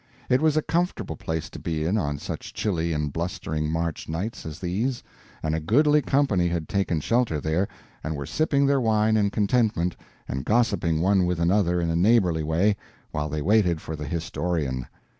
It was a comfortable place to be in on such chilly and blustering March nights as these, and a goodly company had taken shelter there, and were sipping their wine in contentment and gossiping one with another in a neighborly way while they waited for the historian.